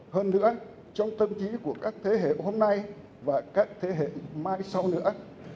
hơn nữa trong tâm trí của các thế hệ hôm nay và các thế hệ mai sau nữa